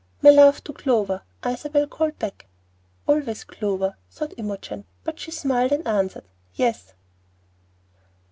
"My love to Clover," Isabel called back. "Always Clover," thought Imogen; but she smiled, and answered, "Yes."